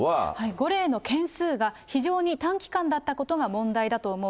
５例の件数が非常に短期間だったことが問題だと思う。